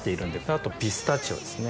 あとピスタチオですね。